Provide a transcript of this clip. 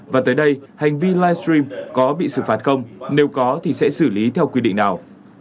và tới đây hành vi livestream có bị xử phạt không nếu có thì sẽ xử lý theo quy định nào